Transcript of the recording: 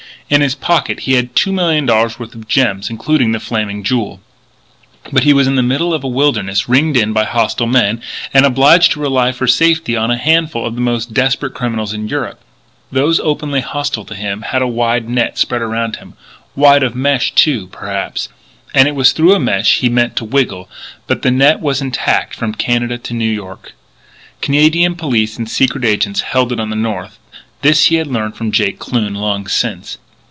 In his pocket he had two million dollars worth of gems, including the Flaming Jewel. But he was in the middle of a wilderness ringed in by hostile men, and obliged to rely for aid on a handful of the most desperate criminals in Europe. Those openly hostile to him had a wide net spread around him wide of mesh too, perhaps; and it was through a mesh he meant to wriggle, but the net was intact from Canada to New York. Canadian police and secret agents held it on the north: this he had learned from Jake Kloon long since.